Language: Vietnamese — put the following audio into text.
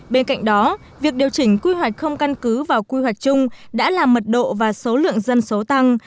bên cạnh đó việc điều chỉnh quy hoạch không căn cứ vào quy hoạch chung đã làm mật độ và số lượng dân số tăng